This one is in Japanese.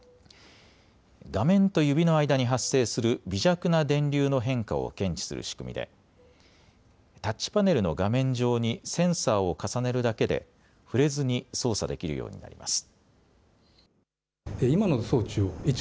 画面と指の間に発生する微弱な電流の変化を検知する仕組みでタッチパネルの画面上にセンサーを重ねるだけで触れずに操作できるようになります。